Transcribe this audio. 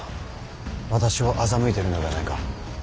私を欺いているのではないか。